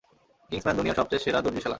Kingsman, দুনিয়ার সবচেয়ে সেরা দর্জিশালা।